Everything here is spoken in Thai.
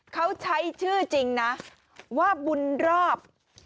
เขาใช้ชื่อจริงนะว่าบุญรอบ